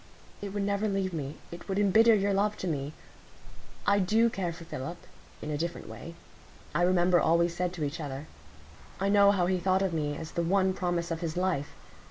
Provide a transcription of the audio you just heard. It would never leave me; it would embitter your love to me. I do care for Philip—in a different way; I remember all we said to each other; I know how he thought of me as the one promise of his life.